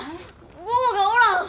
坊がおらん！